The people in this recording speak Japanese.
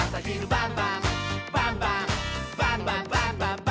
「バンバンバンバンバンバン！」